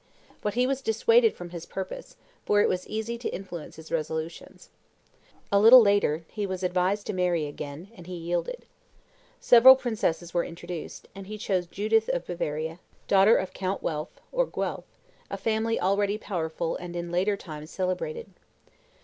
But he was dissuaded from his purpose; for it was easy to influence his resolutions. A little later, he was advised to marry again, and he yielded. Several princesses were introduced; and he chose Judith of Bavaria, daughter of Count Welf (Guelf), a family already powerful and in later times celebrated.